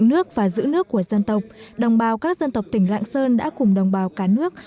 nước và giữ nước của dân tộc đồng bào các dân tộc tỉnh lạng sơn đã cùng đồng bào cả nước